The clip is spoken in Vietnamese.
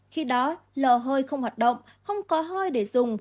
khi đó lờ hơi không hoạt động không có hơi để dùng